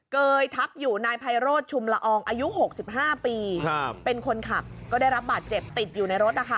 เกยทับอยู่นายภัยโรศชุมละอองอายุหกสิบห้าปีครับเป็นคนขับก็ได้รับบาดเจ็บติดอยู่ในรถอ่ะค่ะ